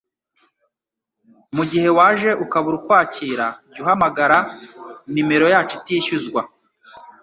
mugihe waje ukabura ukwakira jya uhamagara numero yacu itishyuzwa